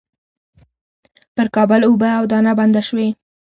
پر کابل اوبه او دانه بنده شوې.